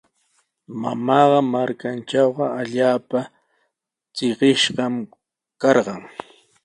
Mamaaqa markantraw allaapa trikishqami karqan.